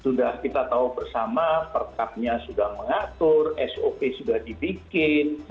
sudah kita tahu bersama perkabnya sudah mengatur sop sudah dibikin